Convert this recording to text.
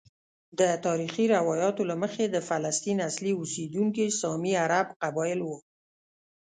د تاریخي روایاتو له مخې د فلسطین اصلي اوسیدونکي سامي عرب قبائل وو.